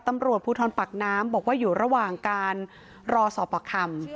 ตำรวจภูทรปากน้ำบอกว่าอยู่ระหว่างการรอสอบปากคำ